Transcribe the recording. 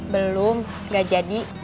belum gak jadi